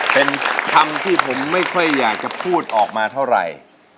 เป็นคำที่ผมไม่ค่อยอยากจะพูดออกมาเท่าไหร่